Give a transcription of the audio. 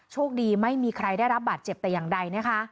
โชคดีไม่มีใครได้รับบาดเจ็บแต่อย่างใดนะคะ